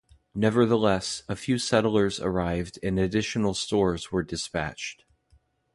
Nevertheless, a few settlers arrived and additional stores were despatched.